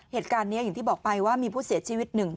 เหตุการณ์นี้อย่างที่บอกไปว่ามีผู้เสียชีวิตหนึ่ง